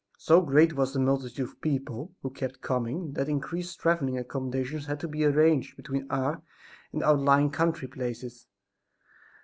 So great was the multitude of people who kept coming that increased traveling accomodations had to be arranged between Ars and the outlying country places.